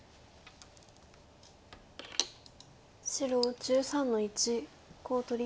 白１３の一コウ取り。